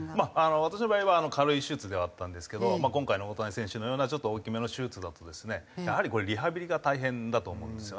私の場合は軽い手術ではあったんですけど今回の大谷選手のようなちょっと大きめの手術だとですねやはりリハビリが大変だと思うんですよね。